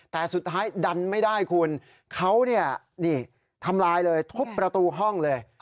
แต่สุดท้ายดันไม่ได้คุณเขาเนี่ยนี่ทำลายเลยทุบประตูห้องเลย